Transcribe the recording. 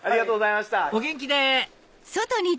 お元気で！